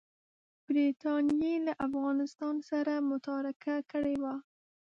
برټانیې له افغانستان سره متارکه کړې وه.